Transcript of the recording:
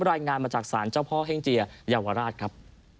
รายงานมาจากศาลเจ้าพ่อเฮ่งเจียเยาวราชครับ